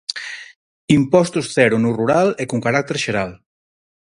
Impostos cero no rural e con carácter xeral.